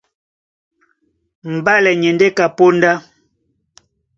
Mbálɛ ni e ndé ka póndá.